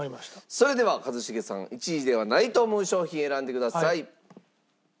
それでは一茂さん１位ではないと思う商品選んでください。